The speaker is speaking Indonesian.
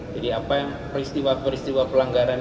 jadi apa yang peristiwa peristiwa pelanggaran